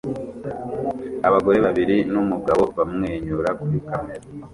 Abagore babiri numugabo bamwenyura kuri kamera